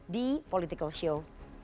di politikal show